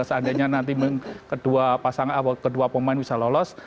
seandainya nanti kedua pasangan atau kedua pemain bisa lolos